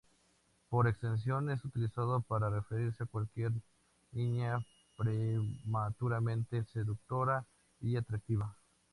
Por extensión es utilizado para referirse a cualquier niña prematuramente seductora y atractiva.